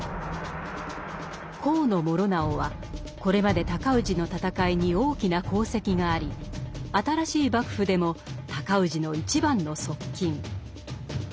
高師直はこれまで尊氏の戦いに大きな功績があり新しい幕府でも尊氏の一番の側近。